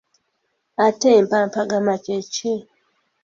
Ate empampagama kye ki?